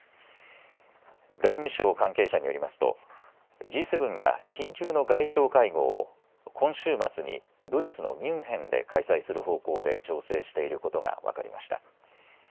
外務省関係者によりますと、Ｇ７が緊急の外相会合を、今週末にドイツのミュンヘンで開催する方向で調整していることが分かりました。